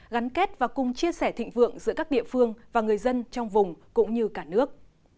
gắn kết và cùng chia sẻ thịnh vượng giữa các địa phương và người dân trong vùng cũng như cả nước